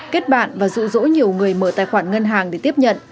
kết bạn và rủ rỗi nhiều người mở tài khoản ngân hàng để tiếp nhận